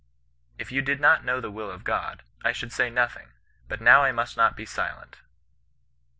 —' If you did not know the will of God, I should say nothing; but now I must not be silent.'